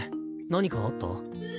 何かあった？